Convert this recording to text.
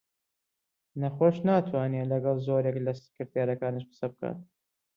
نەخۆش ناتوانێ لەگەڵ زۆرێک لە سکرتێرەکانیش قسە بکا